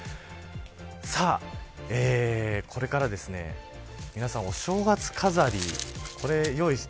さあ、これから皆さん、お正月飾り